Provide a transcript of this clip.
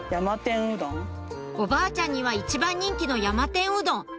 おばあちゃんには一番人気の山天うどん